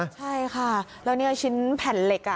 ใช่ค่ะแล้วเนี่ยชิ้นแผ่นเหล็ก